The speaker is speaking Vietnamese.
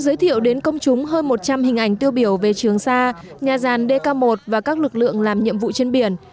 giới thiệu đến công chúng hơn một trăm linh hình ảnh tiêu biểu về trường sa nhà gian dk một và các lực lượng làm nhiệm vụ trên biển